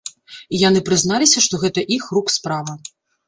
І яны прызналіся, што гэта іх рук справа.